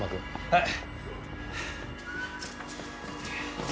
はい。